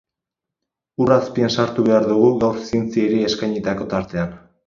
Ur azpian sartu behar dugu gaur zientziari eskainitako tartean.